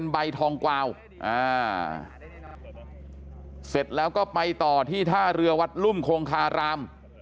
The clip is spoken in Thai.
ใบทองกวาวเสร็จแล้วก็ไปต่อที่ท่าเรือวัดรุ่มคงคาราม